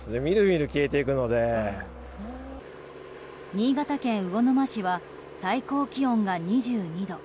新潟県魚沼市は最高気温が２２度。